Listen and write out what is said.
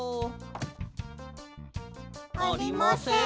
ありません。